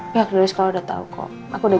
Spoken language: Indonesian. pihak dari sekolah udah tau kok aku udah